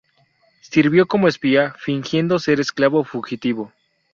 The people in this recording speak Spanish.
Sirvió como espía, fingiendo ser un esclavo fugitivo.